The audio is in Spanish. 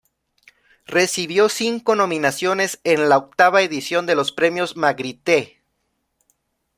Recibió cinco nominaciones en la octava edición de los Premios Magritte.